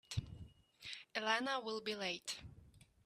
Elena will be late.